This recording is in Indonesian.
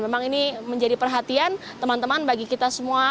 memang ini menjadi perhatian teman teman bagi kita semua